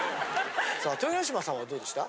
さあ豊ノ島さんはどうでした？